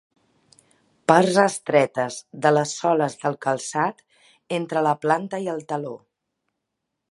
Parts estretes de les soles del calçat entre la planta i el taló.